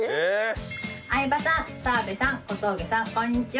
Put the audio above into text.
相葉さん澤部さん小峠さんこんにちは。